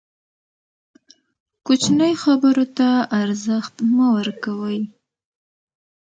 کوچنۍ خبرو ته ارزښت مه ورکوئ!